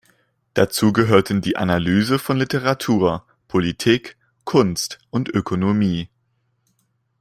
Dazu gehörten die Analyse von Literatur, Politik, Kunst und Ökonomie.